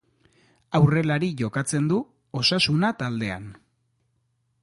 Aurrelari jokatzen du, Osasuna taldean.